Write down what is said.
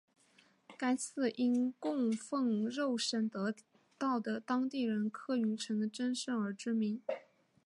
该寺因供奉肉身得道的当地人柯云尘的真身而知名。